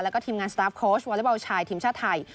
และก็ทีมงานสตาฟโค้ชวอลเลอร์เบาชายทีมชาติไทย